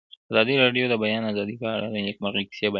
ازادي راډیو د د بیان آزادي په اړه د نېکمرغۍ کیسې بیان کړې.